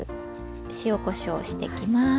塩・こしょうしてきます。